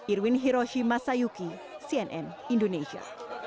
irwin hiroshi masayuki cnn indonesia